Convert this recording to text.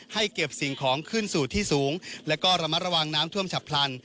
ให้เก็บสิ่งของขึ้นสู่ที่สูงและก็ระมัดระวังน้ำท่วมฉับพลัน